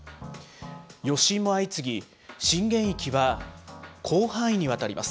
余震も相次ぎ、震源域は広範囲にわたります。